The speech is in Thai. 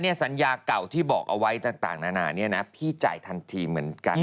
สัญญาเก่าที่บอกเอาไว้ต่างนานาเนี่ยนะพี่จ่ายทันทีเหมือนกัน